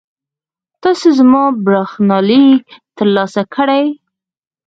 تاسو زما برېښنالیک ترلاسه کړی؟